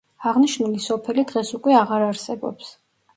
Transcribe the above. აღნიშნული სოფელი დღეს უკვე აღარ არსებობს.